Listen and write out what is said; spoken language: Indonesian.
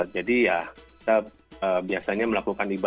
jadi ya kita biasanya melakukan ibadah